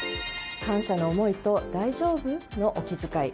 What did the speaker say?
感謝の思いと大丈夫？のお気遣い。